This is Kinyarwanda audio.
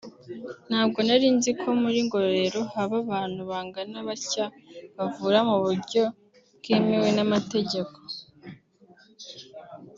ntabwo narinzi ko muri Ngororero haba abantu bangana batya bavura mu buryo bwemewe n’amategeko